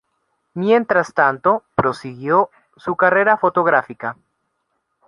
Mientras tanto, prosiguió su carrera fotográfica.